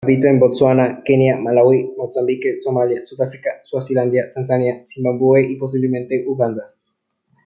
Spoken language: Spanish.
Habita en Botsuana, Kenia, Malaui, Mozambique, Somalia, Sudáfrica, Suazilandia, Tanzania, Zimbabue y posiblemente Uganda.